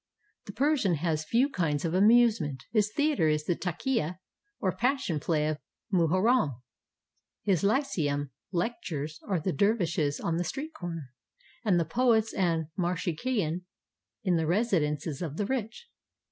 The Persian has few kinds of amusement. His theater is the "Takia" or passion play of Muharram; his lyceum lecturers are the dervishes on the street corner, and the poets and marseyakhan in the residences of the rich.